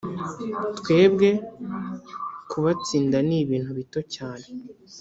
twebwe kubatsinda n’ibintu bito cyane